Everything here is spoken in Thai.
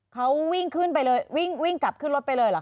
เขาวิ่งขึ้นไปเลยวิ่งกลับขึ้นรถไปเลยเหรอ